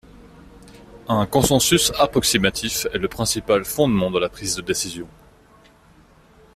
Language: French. Un consensus approximatif est le principal fondement de la prise de décision.